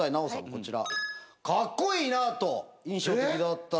こちら。